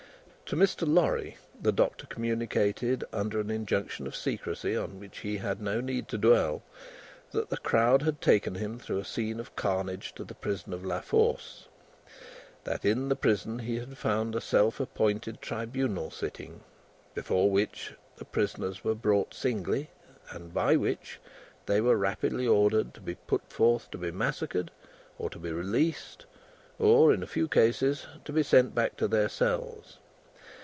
To Mr. Lorry, the Doctor communicated under an injunction of secrecy on which he had no need to dwell, that the crowd had taken him through a scene of carnage to the prison of La Force. That, in the prison he had found a self appointed Tribunal sitting, before which the prisoners were brought singly, and by which they were rapidly ordered to be put forth to be massacred, or to be released, or (in a few cases) to be sent back to their cells.